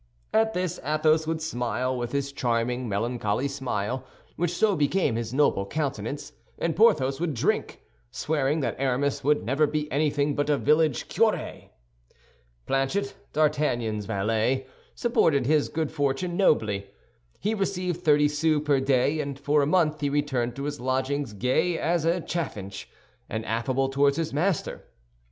At this Athos would smile, with his charming, melancholy smile, which so became his noble countenance, and Porthos would drink, swearing that Aramis would never be anything but a village curé. Planchet, D'Artagnan's valet, supported his good fortune nobly. He received thirty sous per day, and for a month he returned to his lodgings gay as a chaffinch, and affable toward his master.